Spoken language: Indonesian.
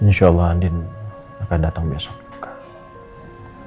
insya allah andin akan datang besok